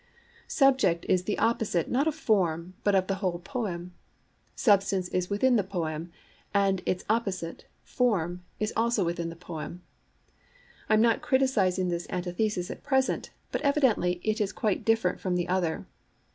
Subject is the opposite not of form but of the whole poem. Substance is within the poem, and its opposite, form, is also within the poem. I am not criticizing this antithesis at present, but evidently it is quite different from the other.